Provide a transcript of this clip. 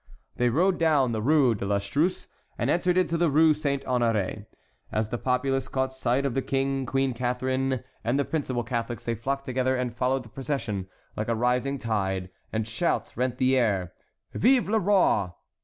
They rode down the Rue de l'Astruce and entered into the Rue Saint Honoré. As the populace caught sight of the King, Queen Catharine, and the principal Catholics they flocked together and followed the procession like a rising tide, and shouts rent the air. "Vive le Roi!"